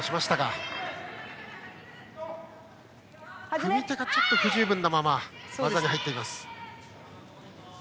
組み手がちょっと不十分なまま技に入っています。